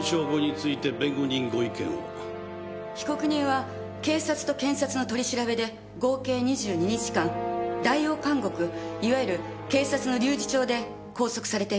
被告人は警察と検察の取り調べで合計２２日間代用監獄いわゆる警察の留置場で拘束されていました。